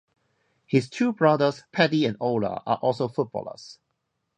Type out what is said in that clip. His two brothers Paddy and Ola are also footballers.